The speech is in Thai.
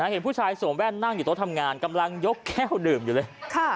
เห็นผู้ชายสวมแว่นนั่งอยู่โต๊ะทำงานกำลังยกแก้วดื่มอยู่เลย